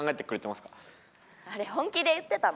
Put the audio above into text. あれ本気で言ってたの？